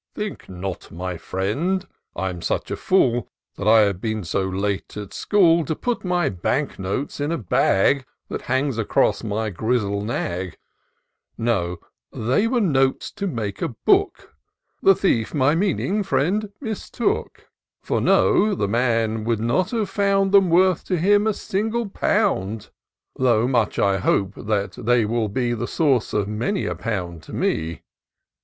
Think not, my friend, I'm such a fool. That I have been so late at school. To put my bank notes in a bag That hangs across my Grizzle nag ; IN SEARCH OF THE PICTURESQUE. 179 No, they were notes to make a book; The thief my meaning, Mend, mistook : For know, the man would not have found Them worth — to him — a, single pound: Though much I hope that they will be The source of many a pound to me."